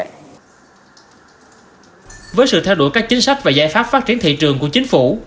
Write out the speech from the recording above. với sự theo đuổi các chính sách và giải pháp phát triển thị trường của chính phủ